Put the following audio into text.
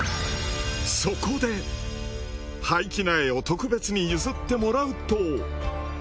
そこで廃棄苗を特別に譲ってもらうと。